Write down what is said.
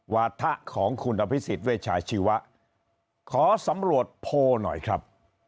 วาถะของคุณอภิษฎเวชาชีวะขอสำรวจโพลหน่อยครับ